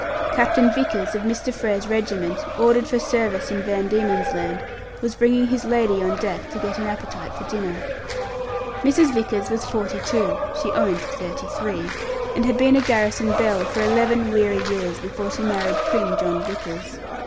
Captain Vickers, of Mr. Frere's regiment, ordered for service in Van Diemen's Land, was bringing his lady on deck to get an appetite for dinner. Mrs. Vickers was forty two (she owned to thirty three), and had been a garrison belle for eleven weary years before she married prim John Vickers.